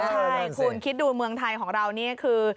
ใช่คุณคิดดูเมืองไทยของเรานี่คือ